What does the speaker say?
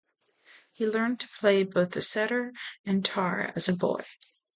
He learned to play both the setar and tar as a boy.